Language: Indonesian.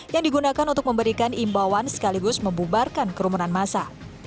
yang digunakan untuk memberikan imbauan sekaligus membubarkan kerumunan masa